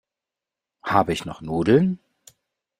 Habe ich noch Nudeln?